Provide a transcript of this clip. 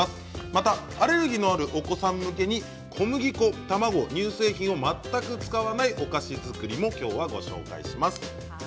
またアレルギーのあるお子さん向けに小麦粉、卵、乳製品を全く使わないお菓子作りをご紹介します。